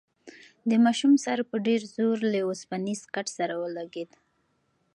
د ماشوم سر په ډېر زور له اوسپنیز کټ سره ولگېد.